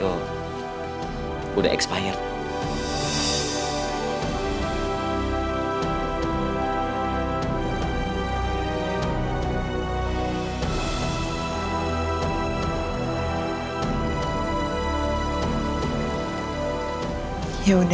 aku pake uang yang kamu kasih